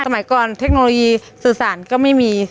สมัยก่อนเทคโนโลยีสื่อสารก็ไม่มี